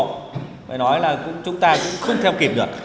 phải nói là chúng ta cũng không theo kịp được